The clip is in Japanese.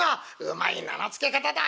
「うまい名の付け方だ。